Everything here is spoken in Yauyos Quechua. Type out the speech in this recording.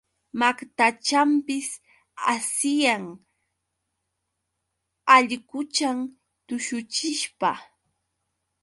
Maqtachanpis asiyan allquchan tushuchishpa.